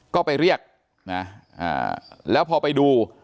ก็ไปเรียกนะแล้วพอไปดู